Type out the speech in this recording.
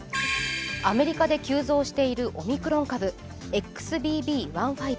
アメリカで急増しているオミクロン株ＸＢＢ．１．５。